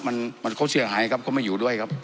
มันเขาเสียหายครับเขาไม่อยู่ด้วยครับ